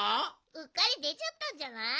うっかりでちゃったんじゃない？